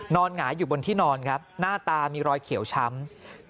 หงายอยู่บนที่นอนครับหน้าตามีรอยเขียวช้ำ